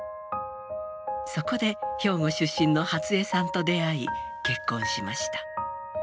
そこで兵庫出身の初江さんと出会い結婚しました。